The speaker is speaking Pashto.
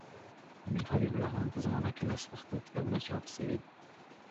د امیرحبیب الله خان په زمانه کي لس پښتو کتابونه چاپ سوي دي.